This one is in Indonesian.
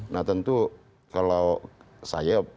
nah tentu kalau saya